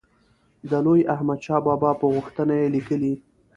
د لوی احمدشاه بابا په غوښتنه یې لیکلی.